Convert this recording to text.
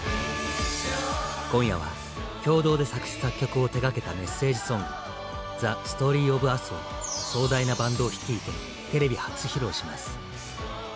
今夜は共同で作詞作曲を手がけたメッセージソング「ＴｈｅＳｔｏｒｙｏｆＵｓ」を壮大なバンドを率いてテレビ初披露します。